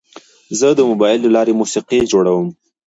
زه د موبایل له لارې موسیقي جوړوم.